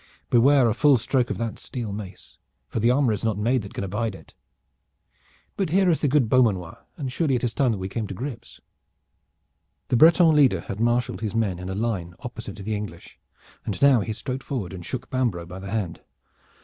Beware a full stroke of that steel mace, for the armor is not made that can abide it. But here is the good Beaumanoir, and surely it is time that we came to grips." The Breton leader had marshaled his men in a line opposite to the English, and now he strode forward and shook Bambro' by the hand.